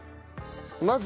まず。